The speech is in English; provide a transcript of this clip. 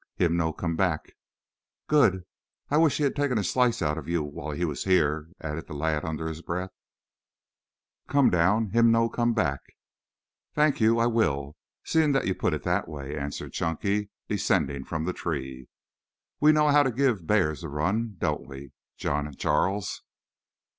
"Him no come back." "Good. I wish he had taken a slice out of you while he was here," added the lad under his breath. "Come down. Him no come back." "Thank you, I will, seeing that you put it that way," answered Chunky, descending from the tree. "We know how to give hears the run, don't we, John Charles?"